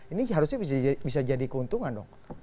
ini harusnya bisa jadi keuntungan dong